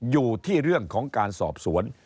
อยู่ที่เรื่องของการสอบสวน